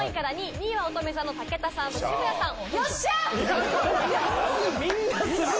２位はおとめ座の武田さん渋谷さん。